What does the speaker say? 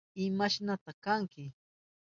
¿Imashnata kanki?